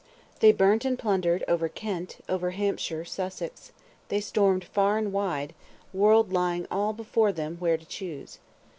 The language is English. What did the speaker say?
They burnt and plundered over Kent, over Hampshire, Sussex; they stormed far and wide; world lying all before them where to choose.